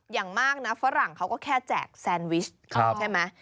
อย่างมากนะฝรั่งเขาก็แค่แจกแซนวิชใช่ไหม